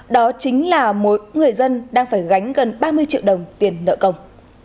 đó chính là mỗi người dân đang phải gánh gần ba mươi triệu đồng tiền nợ công